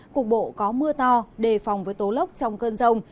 cục bộ có mưa to đề phòng với tố lốc trong cơn rông